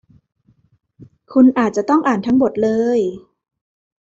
คุณอาจจะต้องอ่านทั้งบทเลย